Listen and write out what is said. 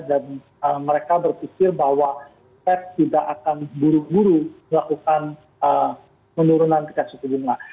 dan mereka berpikir bahwa pep tidak akan buru buru melakukan penurunan tingkat sepuluh juta